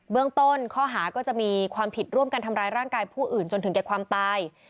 ต้นข้อหาก็จะมีความผิดร่วมกันทำร้ายร่างกายผู้อื่นจนถึงแก่ความตาย